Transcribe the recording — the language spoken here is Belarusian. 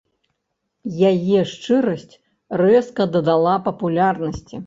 Яе шчырасць рэзка дадала папулярнасці.